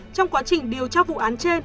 trong quá trình điều tra vụ án trên